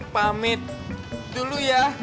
pamit dulu ya